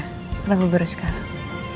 karena gue baru sekarang